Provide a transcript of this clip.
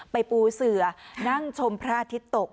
ปูเสือนั่งชมพระอาทิตย์ตก